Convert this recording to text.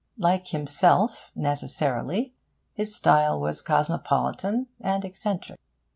Like himself, necessarily, his style was cosmopolitan and eccentric.